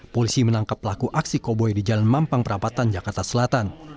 polisi menangkap pelaku aksi koboi di jalan mampang perapatan jakarta selatan